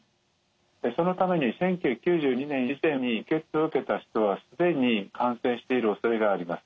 そのために１９９２年以前に輸血を受けた人は既に感染しているおそれがあります。